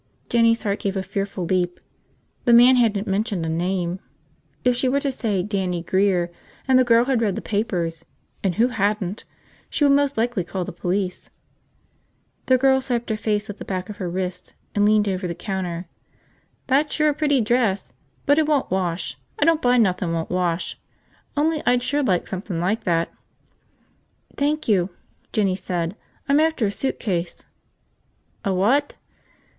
Jinny's heart gave a fearful leap. The man hadn't mentioned a name. If she were to say Dannie Grear, and the girl had read the papers – and who hadn't! – she would most likely call the police. The girl swiped her face with the back of her wrist and leaned over the counter. "That's sure a pretty dress. But it won't wash. I don't buy nothin' won't wash. Only I'd sure like somethin' like that." "Thank you," Jinny said. "I'm after a suitcase." "A what?"